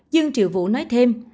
dương triệu vũ nói thêm